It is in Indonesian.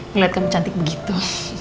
ngelihat kamu cantik begitu